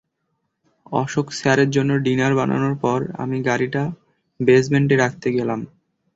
অশোক স্যারের জন্য ডিনার বানানোর পর, আমি গাড়িটা বেজমেন্টে রাখতে গেলাম।